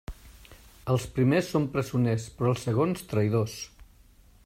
Els primers són presoners, però els segons traïdors.